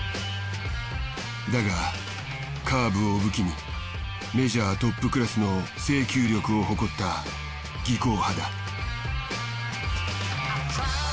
だがカーブを武器にメジャートップクラスの制球力を誇った技巧派だ。